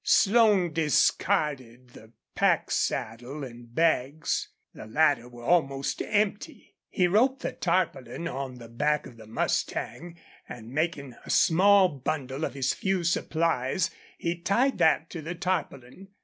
Slone discarded the pack saddle and bags. The latter were almost empty. He roped the tarpaulin on the back of the mustang, and, making a small bundle of his few supplies, he tied that to the tarpaulin.